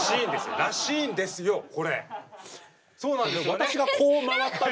私がこう回ったり。